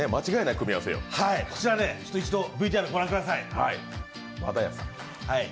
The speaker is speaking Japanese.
こちら、一度、ＶＴＲご覧ください。